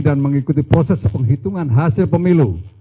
dan mengikuti proses penghitungan hasil pemilu